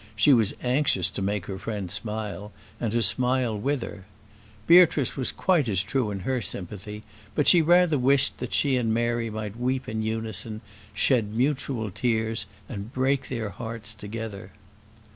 She was anxious to make her friend smile, and to smile with her. Beatrice was quite as true in her sympathy; but she rather wished that she and Mary might weep in unison, shed mutual tears, and break their hearts together.